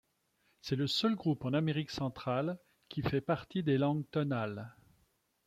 C'est le seul groupe en Amérique centrale qui fait partie des langues tonales.